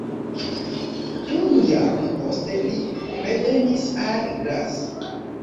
Unu jaron poste li revenis al Graz.